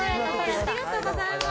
おめでとうございます。